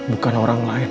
bukan orang lain